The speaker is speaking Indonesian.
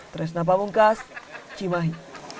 teresna pamungkas cimahi